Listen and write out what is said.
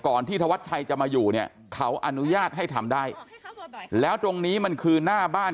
ที่ธวัดชัยจะมาอยู่เนี่ยเขาอนุญาตให้ทำได้แล้วตรงนี้มันคือหน้าบ้าน